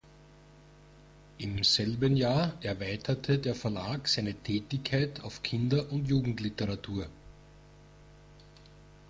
Im selben Jahr erweiterte der Verlag seine Tätigkeit auf Kinder- und Jugendliteratur.